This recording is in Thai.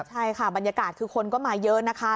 ใช่ค่ะบรรยากาศคือคนก็มาเยอะนะคะ